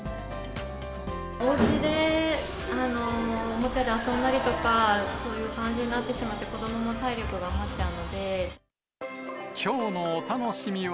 おうちでおもちゃで遊んだりとか、そういう感じになってしまって、子どもも体力が余っちゃうきょうのお楽しみは。